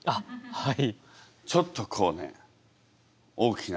はい。